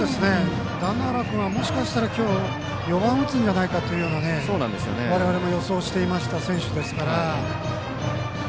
團之原君はもしかしたら、今日は４番を打つんじゃないかと我々も予想していた選手ですから。